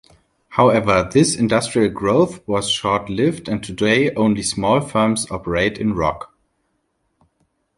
However, this industrial growth was short-lived and today only small firms operate in Roches.